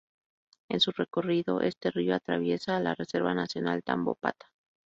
En su recorrido, este río atraviesa la Reserva Nacional Tambopata.